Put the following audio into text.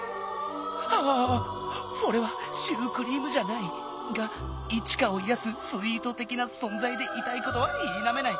アワワワフォレはシュークリームじゃない！がイチカをいやすスイートてきなそんざいでいたいことはいなめない！